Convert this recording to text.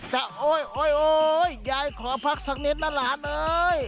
โอ๊ยโอ๊ยโอ๊ยยายขอพักสักนิดนะหลานเอ้ย